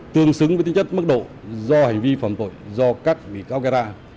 tương xứng với tính chất mức độ do hành vi phạm tội do các bị cáo gây ra